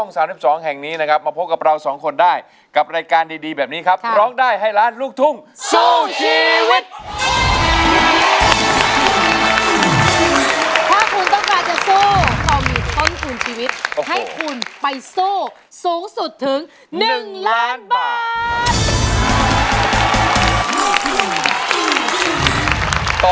ถ้าคุณต้องการจะสู้เรามีต้นทุนชีวิตให้คุณไปสู้สูงสุดถึง๑ล้านบาท